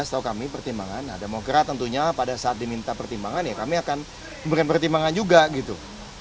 ada setau kami pertimbangan ada mogra tentunya pada saat diminta pertimbangan ya kami akan memberikan pertimbangan juga gitu